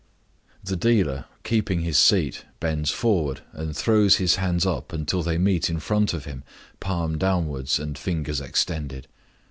The dealer, keeping his seat, bends forward, and throws his hands up until they meet in front of him, palm downwards and fingers extended.